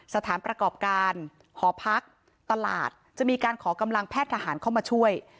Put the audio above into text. สถานประกอบการหอพักตลาดจะมีการขอกำลังแพทย์ทหารเข้ามาช่วย